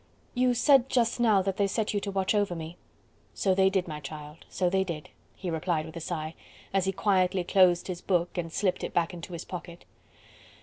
"You said just now that they set you to watch over me..." "So they did, my child, so they did..." he replied with a sigh, as he quietly closed his book and slipped it back into his pocket.